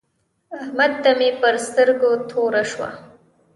احمد ته مې پر سترګو توره شوه.